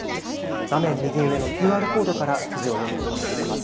画面右上のＱＲコードから記事を読むことができます。